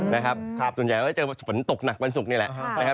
ส่วนใหญ่ก็จะเจอฝนตกหนักวันศุกร์นี่แหละ